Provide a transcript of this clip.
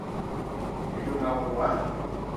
ไม่ดูเงาหัว